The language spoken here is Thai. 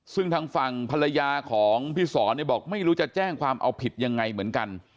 ซึ่งทางฝั่งภรรยาของพี่สอนเนี่ยบอกไม่รู้จะแจ้งความเอาผิดยังไงเหมือนกัน